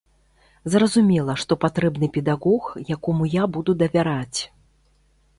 Зразумела, што патрэбны педагог, якому я буду давяраць.